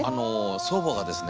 祖母がですね